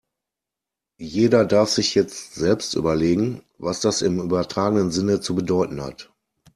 Jeder darf sich jetzt selbst überlegen, was das im übertragenen Sinne zu bedeuten hat.